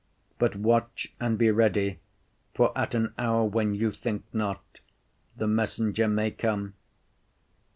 But watch and be ready, for at an hour when you think not, the messenger may come.